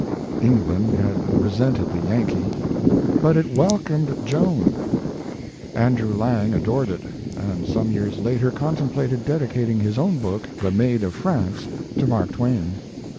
England had resented the Yankee, but it welcomed Joan. Andrew Lang adored it, and some years later contemplated dedicating his own book, 'The Maid of France', to Mark Twain.'